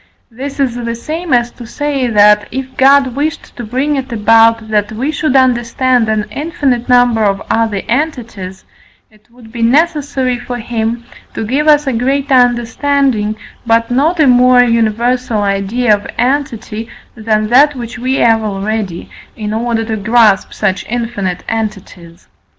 This is the same as to say that, if God wished to bring it about that we should understand an infinite number of other entities, it would be necessary for him to give us a greater understanding, but not a more universal idea of entity than that which we have already, in order to grasp such infinite entities.